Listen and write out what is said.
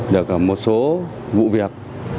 được một số vụ việc